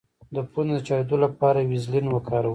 د پوندو د چاودیدو لپاره ویزلین وکاروئ